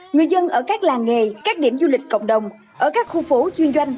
người dân ở các làng nghề các điểm du lịch cộng đồng ở các khu phố chuyên doanh